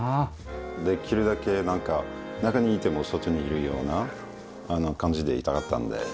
できるだけなんか中にいても外にいるような感じでいたかったので。